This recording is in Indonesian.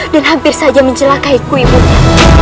dan hampir saja mencelakaiku ibunya